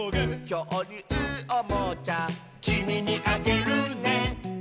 「きょうりゅうおもちゃ」「きみにあげるね」